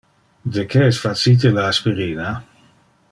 De que es facite le aspirina?